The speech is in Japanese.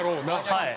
はい。